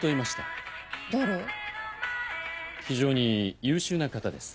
非常に優秀な方です。